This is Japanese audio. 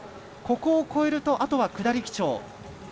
ここを越えるとあとは下り基調。